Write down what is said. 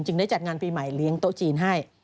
ได้จัดงานปีใหม่เลี้ยงโต๊ะจีนให้